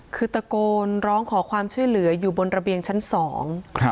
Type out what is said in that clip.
คือตะโกนร้องขอความช่วยเหลืออยู่บนระเบียงชั้นสองครับ